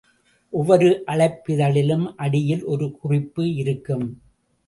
ஒவ்வொரு அழைப்பிதழிலும் அடியில் ஒரு குறிப்பு இருக்கும்.